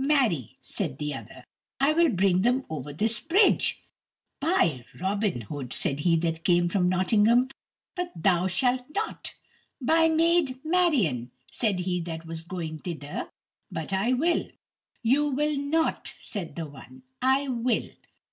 "Marry," said the other, "I will bring them over this bridge." "By Robin Hood," said he that came from Nottingham, "but thou shalt not." "By Maid Marion," said he that was going thither, "but I will." "You will not," said the one. "I will."